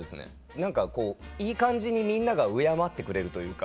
何かこういい感じにみんなが敬ってくれるというか。